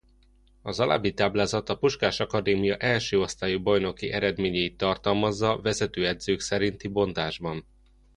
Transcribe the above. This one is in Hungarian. Az alábbi táblázat a Puskás Akadémia első osztályú bajnoki eredményeit tartalmazza vezetőedzők szerinti bontásban.